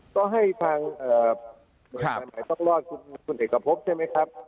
ก็ให้ทางเมื่อไหร่ต้องรอดคุณเทศกะพบใช่ไหมครับ